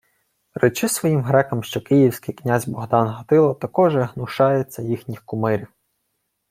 — Речи своїм грекам, що київський князь Богдан Гатило такоже гнушається їхніх кумирів.